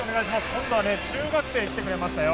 今度は中学生が来てくれましたよ。